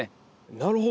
なるほど。